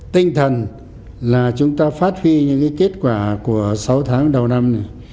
tinh thần là chúng ta phát huy những kết quả của sáu tháng đầu năm này